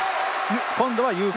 今度は有効。